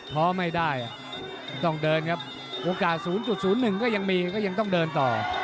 ท้อไม่ได้ต้องเดินครับโอกาส๐๐๑ก็ยังมีก็ยังต้องเดินต่อ